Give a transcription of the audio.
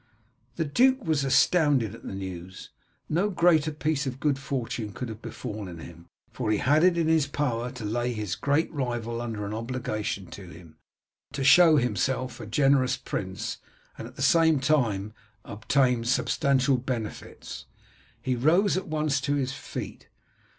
The duke was astounded at the news. No greater piece of good fortune could have befallen him, for he had it in his power to lay his great rival under an obligation to him, to show himself a generous prince, and at the same time to obtain substantial benefits. He rose at once to his feet.